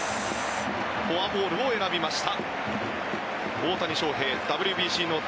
フォアボールを選びました。